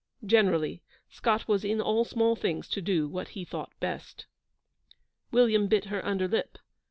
Generally, Scott was in all small things to do what he thought best. William bit her under lip.